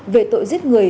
về tội giết người